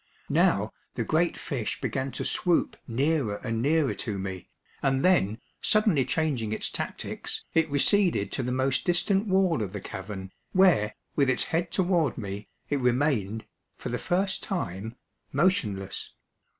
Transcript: Now the great fish began to swoop nearer and nearer to me, and then, suddenly changing its tactics, it receded to the most distant wall of the cavern, where, with its head toward me, it remained, for the first time, motionless.